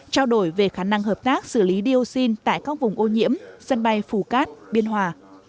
trao đổi về khả năng hợp tác xử lý dioxin tại các vùng ô nhiễm sân bay phú cát biên hòa